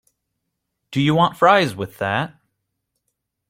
Do you want fries with that?